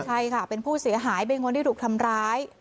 ใช่ค่ะเป็นผู้เสียหายเป็นคนที่ถูกทำร้าย